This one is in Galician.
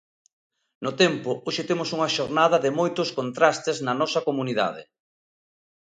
No tempo, hoxe temos unha xornada de moitos contrastes na nosa comunidade.